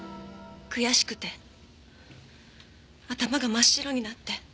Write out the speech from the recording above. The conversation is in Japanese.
悔しくて頭が真っ白になって。